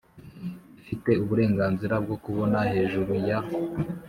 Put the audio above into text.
ifite uburenganzira bwo kubona hejuru ya